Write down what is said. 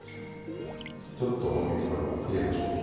ちょっと多めにこれは入れましょう。